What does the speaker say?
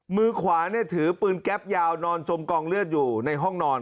มือขวาเนี่ยถือปืนแก๊ปยาวนอนจมกองเลือดอยู่ในห้องนอน